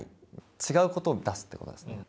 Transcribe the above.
違うことを出すってことですね。